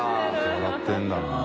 笑ってるんだな。